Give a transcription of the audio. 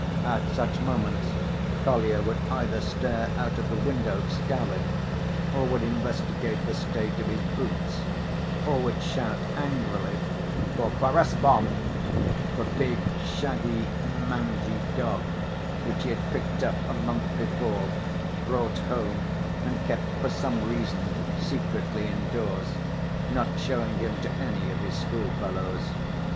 At such moments Kolya would either stare out of the window scowling, or would investigate the state of his boots, or would shout angrily for "Perezvon," the big, shaggy, mangy dog, which he had picked up a month before, brought home, and kept for some reason secretly indoors, not showing him to any of his schoolfellows.